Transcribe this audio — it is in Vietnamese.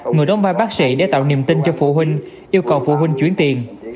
người đóng vai bác sĩ để tạo niềm tin cho phụ huynh yêu cầu phụ huynh chuyển tiền